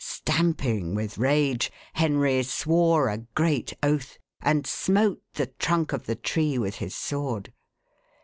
Stamping with rage, Henry swore a great oath, and smote the trunk of the tree with his sword.